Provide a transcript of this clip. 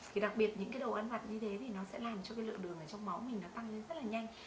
thì đặc biệt những đồ ăn vặt như thế thì nó sẽ làm cho lượng đường trong máu mình tăng rất là nhanh